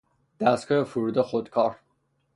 دستگاه فرود خودکار